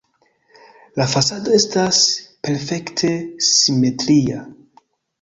La fasado estas perfekte simetria.